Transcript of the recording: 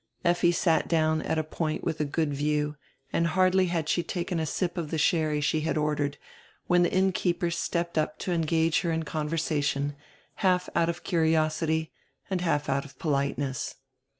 Effi sat down at a point with a good view and hardly had she taken a sip of die sherry she had ordered when die inn keeper stepped up to engage her in conversation, half out of curiosity and half out of politeness.